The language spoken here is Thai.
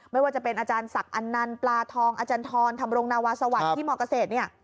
ไม่ว่าจะเป็นอาจารย์ศักดิ์อันนันต์ปลาทองอาจารย์ทรธรรมรงนาวาสวัสดิ์ที่มเกษตรเนี่ย